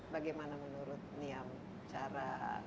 bagaimana menurut niam cara